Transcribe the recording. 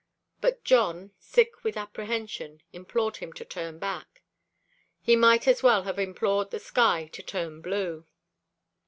But Jon, sick with apprehension, implored him to turn back. He might as well have implored the sky to turn blue.